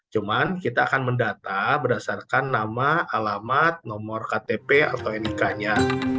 cuman kita akan mendata berdasarkan nama alamat nomor ktp atau nik nya